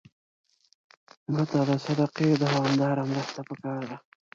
مړه ته د صدقې دوامداره مرسته پکار ده